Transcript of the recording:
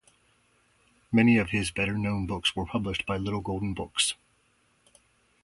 Many of his better known books were published by Little Golden Books.